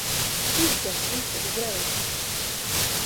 Izdzers visu uzreiz.